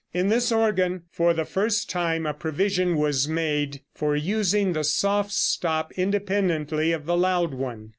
In this organ for the first time a provision was made for using the soft stop independently of the loud one.